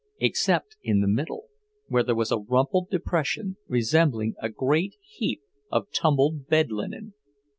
except in the middle, where there was a rumpled depression, resembling a great heap of tumbled bed linen.